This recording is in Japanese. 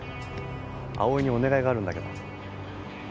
葵にお願いがあるんだけど。